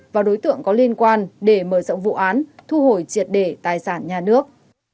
và đối tượng có liên quan để mở rộng vụ án thu hồi triệt đề tài sản nhà nước